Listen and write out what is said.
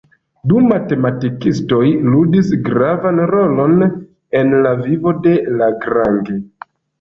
Du matematikistoj ludis gravan rolon en la vivo de Lagrange.